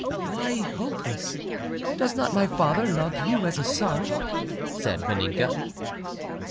"Why hopeless? Does not my father love you as a son?" said Vaninka.